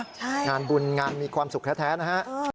งานบุญงานมีความสุขแท้นะฮะ